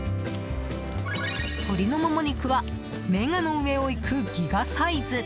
鶏のモモ肉はメガの上をいくギガサイズ！